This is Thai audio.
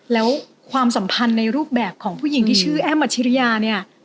แล้วความสัมพันธ์ในรูปแบบของผู้หญิงที่ชื่อแอ้มอัชริยาเนี่ย